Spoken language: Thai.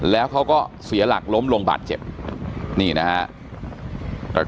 แล้วเขาก็เสียหลักล้มลงบาดเจ็บนี่นะครับ